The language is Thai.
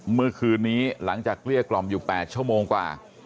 เมื่อคืนนี้หลังจากเกลี้ยกล่อมอยู่๘ชั่วโมงกว่า